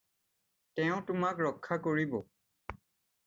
তেওঁ তোমাক ৰক্ষা কৰিব।